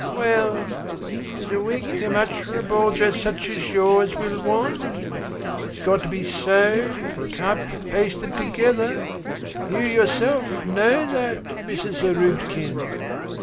"Well, is a week too much for a ball dress such as you will want? It's got to be sewed, it can't be pasted together, You, yourself, know that, Mrs. Zarubkin."